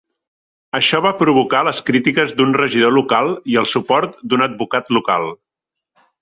Això va provocar les crítiques d'un regidor local i el suport d'un advocat local.